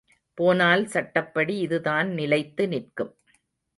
போனால் சட்டப்படி இதுதான் நிலைத்து நிற்கும்.